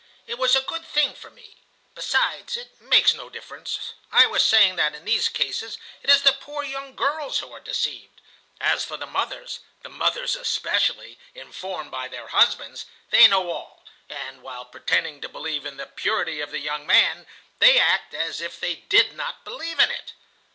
"It was a good thing for me. Besides, it makes no difference. I was saying that in these cases it is the poor young girls who are deceived. As for the mothers, the mothers especially, informed by their husbands, they know all, and, while pretending to believe in the purity of the young man, they act as if they did not believe in it.